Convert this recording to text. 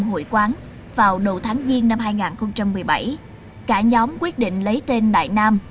hội quán vào đầu tháng giêng năm hai nghìn một mươi bảy cả nhóm quyết định lấy tên đại nam